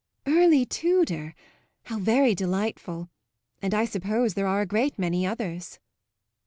"Early Tudor? How very delightful! And I suppose there are a great many others."